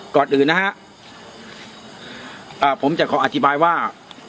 ก่อนอื่นนะฮะผมจะขออธิบายว่า